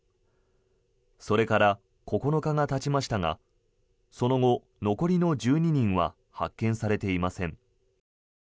それから９日がたちましたがその後、残りの１２人は発見されていません。